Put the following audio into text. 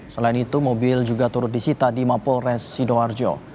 selain itu mobil juga turut disita di mapol resido harjo